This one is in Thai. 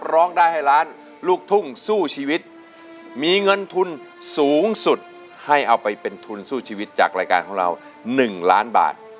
ร้องได้ให้ล้านลูกทุ่งสู้ชีวิตมีเงินทุนสูงสุดให้เอาไปเป็นทุนสู้ชีวิตจากรายการของเรา๑ล้านบาท